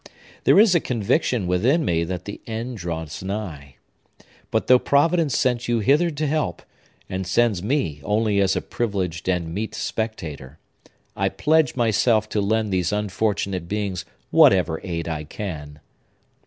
There is a conviction within me that the end draws nigh. But, though Providence sent you hither to help, and sends me only as a privileged and meet spectator, I pledge myself to lend these unfortunate beings whatever aid I can!"